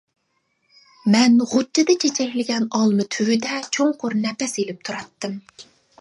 مەن غۇچچىدە چېچەكلىگەن ئالما تۈۋىدە چوڭقۇر نەپەس ئېلىپ تۇراتتىم.